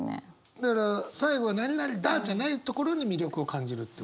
だから最後はなになにだじゃないところに魅力を感じるってことですか。